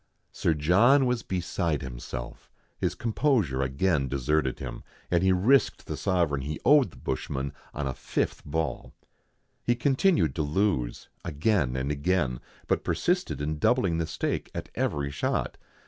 Sir John was beside himself; his composure again deserted him, and he risked the sovereign he owed the bushman on a fifth ball. He continued to lose again and again, but persisted in doubling the stake at every shot.